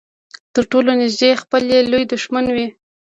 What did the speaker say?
تر ټولو نږدې خپل يې لوی دښمن وي.